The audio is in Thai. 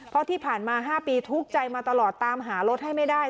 เพราะที่ผ่านมา๕ปีทุกข์ใจมาตลอดตามหารถให้ไม่ได้